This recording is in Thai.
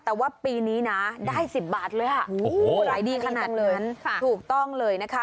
แต่ว่าปีนี้นะได้๑๐บาทเลยค่ะขายดีขนาดนั้นถูกต้องเลยนะคะ